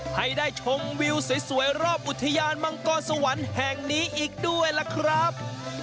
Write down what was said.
ให้ได้ชมวิวสวยรอบอุทยานมังกรสวรรค์แห่งนี้อีกด้วยล่ะครับ